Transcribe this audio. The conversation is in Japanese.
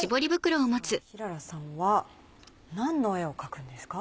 さぁ陽ららさんは何の絵を描くんですか？